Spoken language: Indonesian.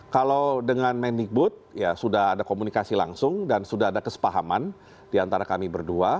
kalau dengan manic boot ya sudah ada komunikasi langsung dan sudah ada kesepahaman di antara kami berdua